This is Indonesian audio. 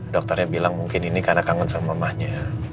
dokternya bilang mungkin ini karena kangen sama mahnya